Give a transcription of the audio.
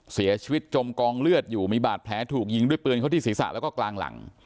จมกองเลือดอยู่มีบาดแผลถูกยิงด้วยปืนเขาที่ศีรษะแล้วก็กลางหลัง